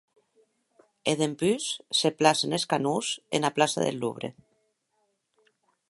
E dempús se placen es canons ena plaça deth Louvre.